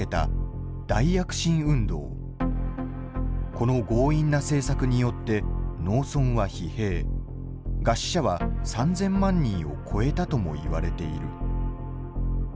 この強引な政策によって農村は疲弊餓死者は３，０００万人を超えたともいわれている。